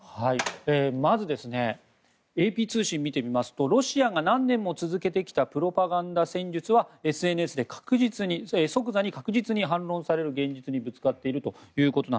まず、ＡＰ通信を見てみますとロシアが何年も続けてきたプロパガンダ戦術は、ＳＮＳで即座に確実に反論される現実にぶつかっていると。